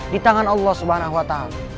di tangan allah swt